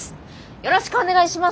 よろしくお願いします！